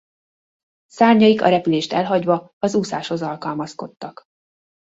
Szárnyaik a repülést elhagyva az úszáshoz alkalmazkodtak.